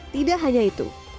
tidak hanya itu